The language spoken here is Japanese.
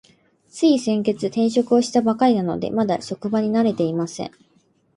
つい先月、転職をしたばかりなので、まだ職場に慣れていません。